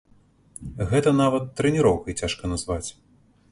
Гэта нават трэніроўкай цяжка назваць.